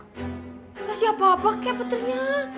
nggak sih apa apa kek petirnya